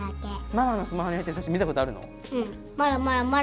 ママのスマホに入ってる写真見たことあるの？